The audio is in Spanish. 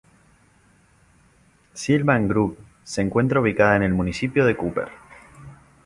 Sylvan Grove se encuentra ubicada en el municipio de Cooper.